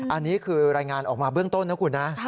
อันนี้คือรายงานออกมาเบื้องต้นนะคุณนะ